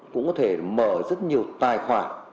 cũng có thể mở rất nhiều tài khoản